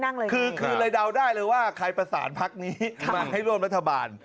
คือคือเลยเดาได้เลยว่าใครประสานพักนี้มาให้ร่วมรัฐบาล